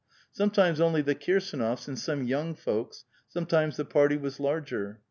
Sometimes onl}* the Kirsdnofs and some young folks, sometimes tiie party was larger.